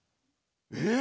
え？